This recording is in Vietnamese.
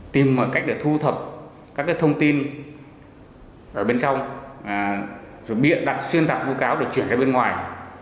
tìm mọi cách để thu thập các thông tin ở bên trong rồi biện đặt xuyên tạc nguyên cáo để chuyển ra bên ngoài